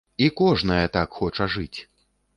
І кожнае так хоча жыць!